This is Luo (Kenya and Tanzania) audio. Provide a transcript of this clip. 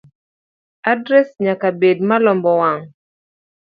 Adres nyaka bedi malombo wang